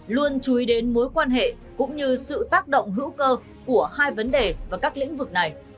luôn chú ý đến mối quan hệ cũng như sự tác động hữu cơ của hai vấn đề và các lĩnh vực này